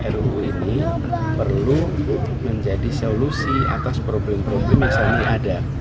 ruu ini perlu menjadi solusi atas problem problem yang saat ini ada